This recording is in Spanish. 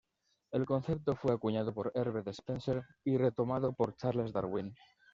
El concepto fue acuñado por Herbert Spencer y retomado por Charles Darwin.